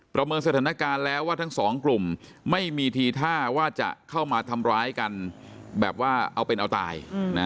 ประเมินสถานการณ์แล้วว่าทั้งสองกลุ่มไม่มีทีท่าว่าจะเข้ามาทำร้ายกันแบบว่าเอาเป็นเอาตาย